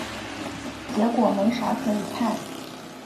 结果没啥可以看